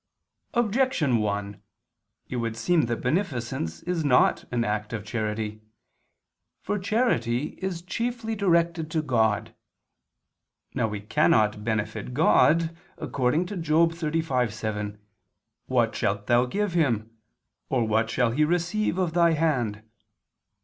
Objection 1: It would seem that beneficence is not an act of charity. For charity is chiefly directed to God. Now we cannot benefit God, according to Job 35:7: "What shalt thou give Him? or what shall He receive of thy hand?"